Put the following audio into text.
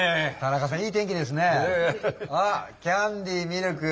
あキャンディミルク。